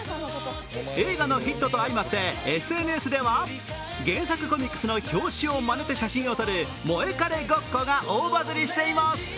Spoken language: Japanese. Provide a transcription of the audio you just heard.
映画のヒットと相まって、ＳＮＳでは原作コミックスでは原作コミックスの表紙をまねて写真を撮るモエカレごっこが大バズリしています。